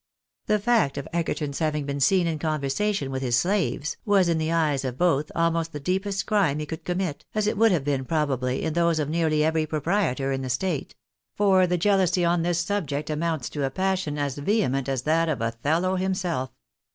The fact of Egerton's having been seen in conversation with his slaves, was in the eyes of both almost the deepest crime he could commit, as it would have been, probably, in those of nearly every other proprietor in the state; for the jealousy on this subject amounts to a passion as vehement as that of Othello himself.